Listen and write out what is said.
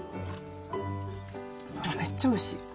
めっちゃおいしい。